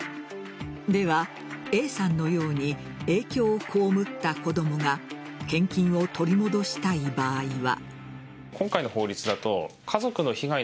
では、Ａさんのように影響を被った子供が献金を取り戻したい場合は。